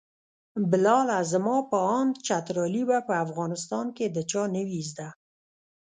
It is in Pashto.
بلاله زما په اند چترالي به په افغانستان کې د چا نه وي زده.